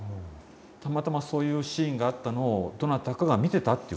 たまたまそういうシーンがあったのをどなたかが見てたっていうこと。